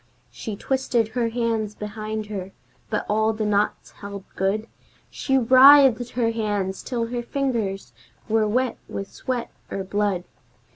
She twisted her hands behind her, but all the knots held good! She writhed her hands till her fingers were wet with sweat or blood!